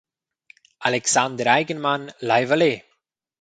Alexander Eigenmann, lai valer!